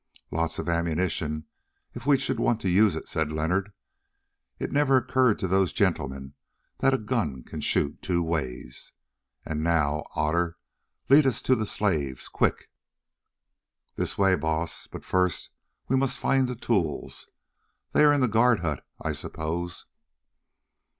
"Lots of ammunition, if we should want to use it," said Leonard. "It never occurred to those gentlemen that a gun can shoot two ways. And now, Otter, lead us to the slaves, quick." "This way, Baas, but first we must find the tools; they are in the guard hut, I suppose."